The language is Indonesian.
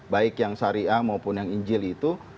baik yang syariah maupun yang injil itu